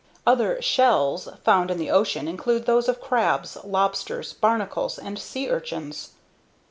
Other "shells" found in the ocean include those of crabs, lobsters, barnacles and sea urchins.